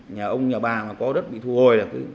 nhà ông nhà bà mà có đất bị thu hồi được